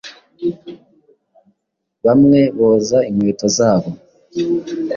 Bamwe boza inkweto zabo